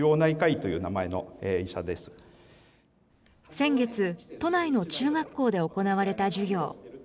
先月、都内の中学校で行われた授業。